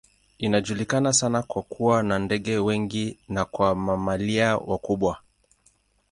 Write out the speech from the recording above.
Inajulikana sana kwa kuwa na ndege wengi na kwa mamalia wakubwa.